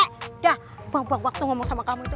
udah buang buang waktu ngomong sama kamu itu